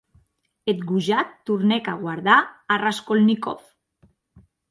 Eth gojat tornèc a guardar a Raskolnikov.